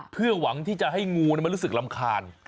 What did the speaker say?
เพื่อหวังที่จะให้งูมันรู้สึกรำคาญ